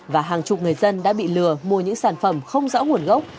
và hàng chục người dân đã bị lừa mua những sản phẩm không rõ nguồn gốc